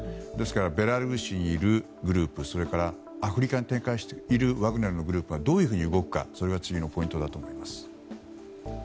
ベラルーシグループアフリカに展開しているワグネルのグループはどういうふうに動くかが次のポイントだと思います。